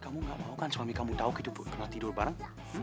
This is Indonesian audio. kamu gak mau kan suami kamu tahu gitu bu pernah tidur bareng